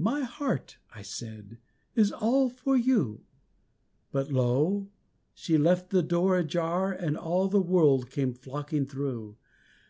"My heart" I said, "is all for you," But lo! She left the door ajar and all the world came flocking through.